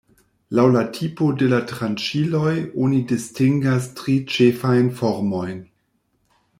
Laŭ la tipo de la tranĉiloj oni distingas tri ĉefajn formojn.